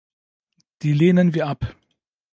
Die lehnen wir ab.